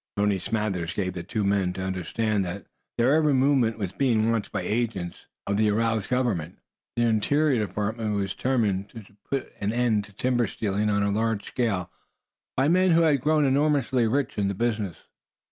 Toby Smathers gave the two men to understand that their every movement was being watched by agents of the aroused Government. The Interior Department was determined to put an end to timber stealing on a large scale by men who had grown enormously rich in the business.